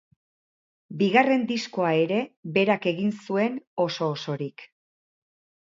Bigarren diskoa ere berak egin zuen oso osorik.